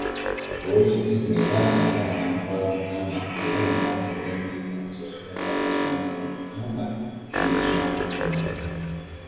Oweekitiibwa era asabye abantu ba Buganda okulonda abakulembeze abasoosowaza ensonga za Buganda Ssemasonga ettaano.